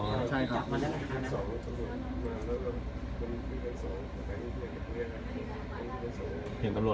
อ๋อเฆรื่องรางกาย